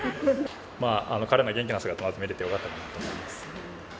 彼の元気な姿、見れてよかったなと思います。